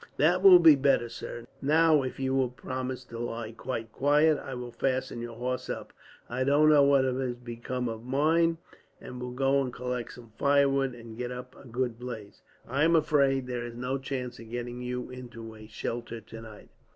"That will be better, sir. Now, if you will promise to lie quite quiet, I will fasten your horse up I don't know what has become of mine and will go and collect some firewood and get up a good blaze. I am afraid there is no chance of getting you into a shelter, tonight."